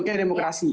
apa yang terjadi